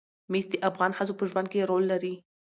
مس د افغان ښځو په ژوند کې رول لري.